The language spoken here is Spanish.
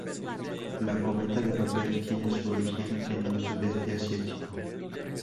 La "Cometa de Papel" tiene su origen en el sudeste asiático.